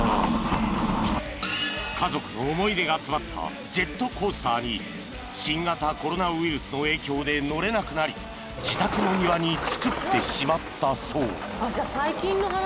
［家族の思い出が詰まったジェットコースターに新型コロナウイルスの影響で乗れなくなり自宅の庭につくってしまったそう］